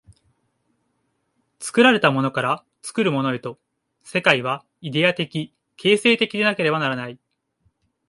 作られたものから作るものへと、世界はイデヤ的形成的でなければならない。